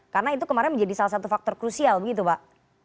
karena itu kemarin menjadi salah satu faktor krusial begitu pak